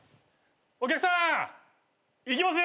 お客さんいきますよ！